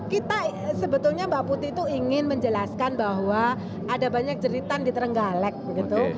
kita sebetulnya mbak putih itu ingin menjelaskan bahwa ada banyak jeritan di terenggalek begitu